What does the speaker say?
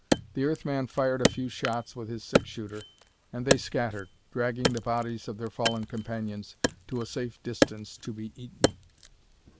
The Earth man fired a few shots with his six shooter, and they scattered, dragging the bodies of their fallen companions to a safe distance to be eaten.